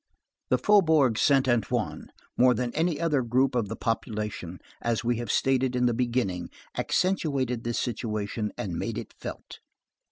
The Faubourg Saint Antoine, more than any other group of the population, as we stated in the beginning, accentuated this situation and made it felt.